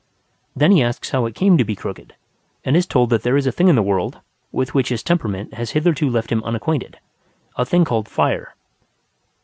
Then he asks how it came to be crooked; and is told that there is a thing in the world (with which his temperament has hitherto left him unacquainted) a thing called fire.